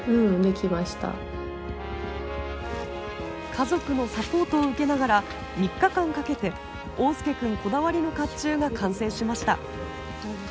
家族のサポートを受けながら３日間かけて桜介くんこだわりの甲冑が完成しました。